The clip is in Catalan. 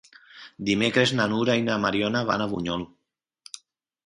Dimecres na Nura i na Mariona van a Bunyol.